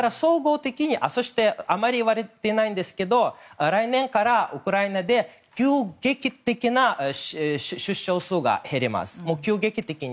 そして、あまり言われていないんですけど来年からウクライナで急激的に出生数が減ります。